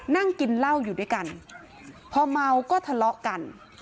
นั่งกินเหล้าอยู่ด้วยกันพอเมาก็ทะเลาะกัน